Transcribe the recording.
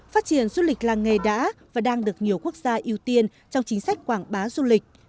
phát triển du lịch làng nghề đã và đang được nhiều quốc gia ưu tiên trong chính sách quảng bá du lịch